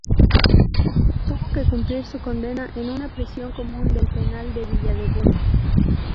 Tuvo que cumplir su condena en una prisión común del Penal de Villa Devoto.